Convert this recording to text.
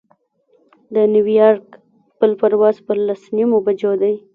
د نیویارک بل پرواز پر لس نیمو بجو دی.